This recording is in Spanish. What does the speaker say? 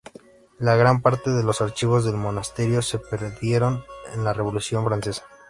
La gran parte de los archivos del monasterio se perdieron en la Revolución francesa.